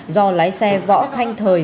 do lái xe võ thanh thời